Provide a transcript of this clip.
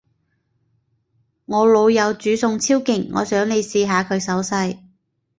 我老友煮餸超勁，我想你試下佢手勢